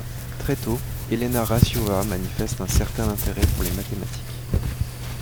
Très tôt, Helena Rasiowa manifeste un certain intérêt pour les mathématiques.